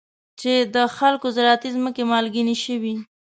چې د خلکو زراعتي ځمکې مالګینې شوي.